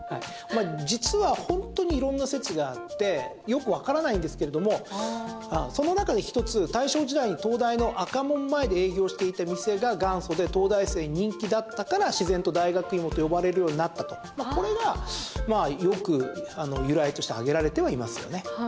実は本当に色んな説があってよくわからないんですけれどもその中で１つ大正時代に東大の赤門前で営業していた店が元祖で東大生に人気だったから自然と大学芋と呼ばれるようになったとこれがよく由来として挙げられてはいますよね。